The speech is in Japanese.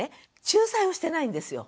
仲裁をしてないんですよ。